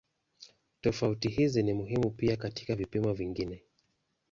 Tofauti hizi ni muhimu pia katika vipimo vingine.